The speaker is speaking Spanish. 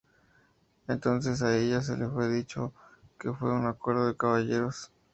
Entonces a ella se le fue dicho que fue un "acuerdo de caballeros".